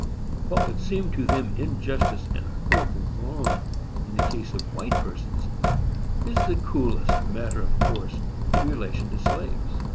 What would seem to them injustice and horrible wrong in the case of white persons, is the coolest matter of course in relation to slaves.